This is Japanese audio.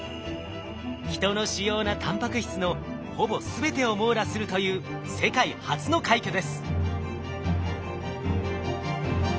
人の主要なタンパク質のほぼ全てを網羅するという世界初の快挙です。